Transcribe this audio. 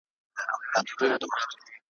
هر ربات مو ګل غونډۍ کې هره دښته لاله زار کې ,